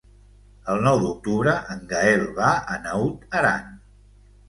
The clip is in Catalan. El nou d'octubre en Gaël va a Naut Aran.